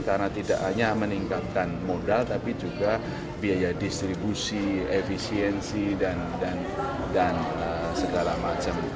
karena tidak hanya meningkatkan modal tapi juga biaya distribusi efisiensi dan segala macam